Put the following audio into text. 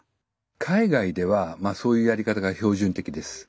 海外ではまあそういうやり方が標準的です。